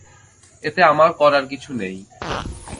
এতে আমার করার কিছুই নেই!